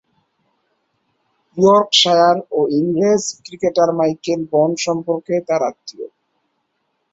Yorkshire ও ইংরেজ cricketer Michael Vaughan সম্পর্কে তার আত্মীয়।